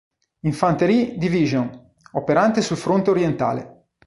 Infanterie-Division, operante sul fronte orientale.